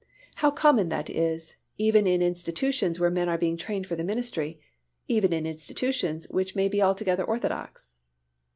How common that is, even in institutions where men are being trained for the ministry, even institutions which may be altogether orthodox.